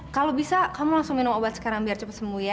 kalau bisa kamu langsung minum obat sekarang biar cepat sembuh ya